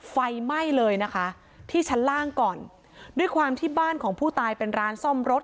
ไฟไหม้เลยนะคะที่ชั้นล่างก่อนด้วยความที่บ้านของผู้ตายเป็นร้านซ่อมรถ